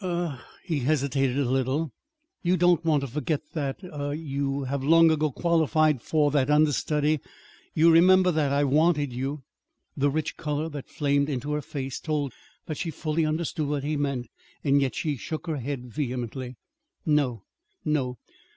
"Er" he hesitated a little "you don't want to forget that er you have long ago qualified for that understudy. You remember that I wanted you." The rich color that flamed into her face told that she fully understood what he meant, yet she shook her head vehemently. "No, no!